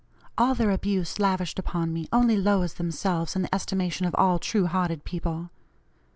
All their abuse lavished upon me only lowers themselves in the estimation of all true hearted people.